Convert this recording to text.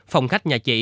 phòng khách nhà chị